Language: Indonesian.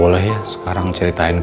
oh ya udah c rivals